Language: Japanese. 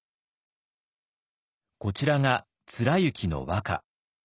こちらが貫之の和歌。